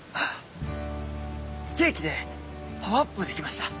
ケーキでパワーアップできました。